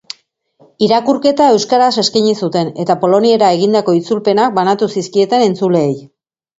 Irakurketa euskaraz eskaini zuten, eta polonierara egindako itzulpenak banatu zizkieten entzuleei.